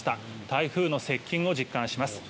台風の接近を実感します。